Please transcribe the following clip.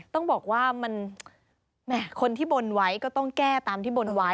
ต้องบอกว่ามันแหมคนที่บนไว้ก็ต้องแก้ตามที่บนไว้